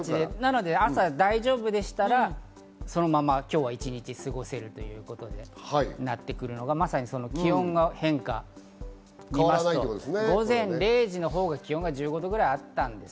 朝が大丈夫でしたら、そのまま今日一日過ごせるということで、まさに気温の変化を見ますと、午前０時のほうが気温が１５度ぐらいあったんです。